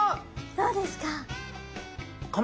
どうですか？